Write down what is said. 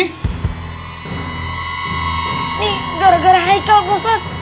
nih gara gara haikal ustadz